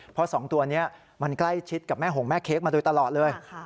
เพราะ๒ตัวนี้มันใกล้ชิดกับแม่หงแม่เค้กมาโดยตลอดเลย